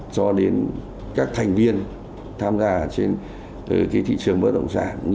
cho đến các thành viên tham gia trên thị trường bất động sản